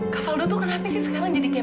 kak faldo tuh kan hapisin sekarang jadi kemah